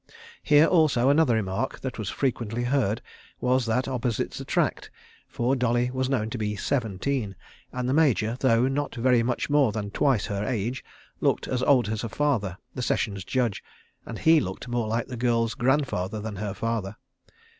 Here also another remark, that was frequently heard, was that opposites attract, for Dolly was known to be seventeen, and the Major, though not very much more than twice her age, looked as old as her father, the Sessions Judge, and he looked more like the girl's grandfather than her father.